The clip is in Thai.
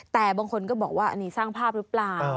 แต่บางคนก็บอกว่าอันนี้สร้างภาพหรือเปล่า